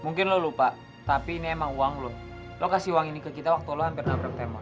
mungkin lo lupa tapi ini emang uang lo lo kasih uang ini ke kita waktu lo hampir nabrak teman